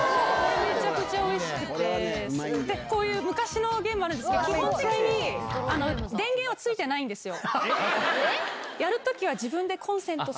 めちゃくちゃおいしくて、こういう昔のゲームあるんですけど、基本的に電源はついてないんですよ。